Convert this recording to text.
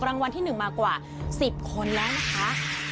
รางวัลที่๑มากว่า๑๐คนแล้วนะคะ